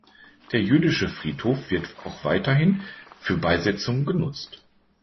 Der Jüdische Friedhof wird auch weiterhin für Beisetzungen genutzt.